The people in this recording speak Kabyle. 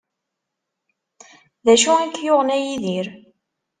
D acu i k-yuɣen a Yidir?